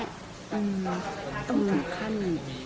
ต้องถูกฆ่าหนึ่ง